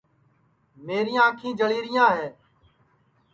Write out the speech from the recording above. میریاں انکھی جݪی ریاں ہے